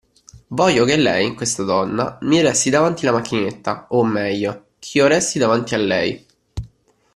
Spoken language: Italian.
Voglio che lei, questa donna, mi resti davanti la macchinetta, o, meglio, ch'io resti davanti a lei.